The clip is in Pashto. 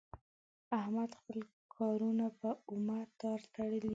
احمد خپل کارونه په اومه تار تړلي دي.